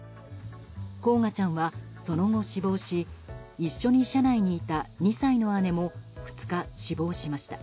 煌翔ちゃんはその後、死亡し一緒に車内にいた２歳の姉も２日、死亡しました。